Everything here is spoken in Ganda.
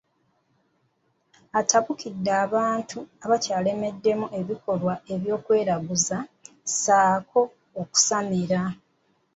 Atabukidde abantu abakyaleddemu ebikolwa eby’okweraguza ssaako okusamira.